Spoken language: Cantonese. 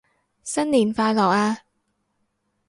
新年快樂啊